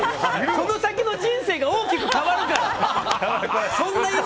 この先の人生が大きく変わるから！